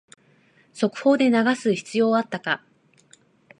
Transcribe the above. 速報で流す必要あったか